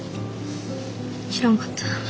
知らんかった。